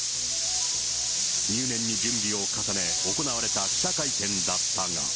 入念に準備を重ね、行われた記者会見だったが。